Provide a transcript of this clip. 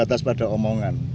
anda tidak terbatas pada omongan